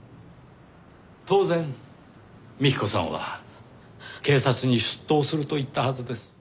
当然幹子さんは警察に出頭すると言ったはずです。